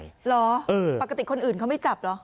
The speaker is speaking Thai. เหรอปกติคนอื่นเขาไม่จับเหรอ